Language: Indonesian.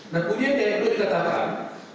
nah kemudian yang kedua dikatakan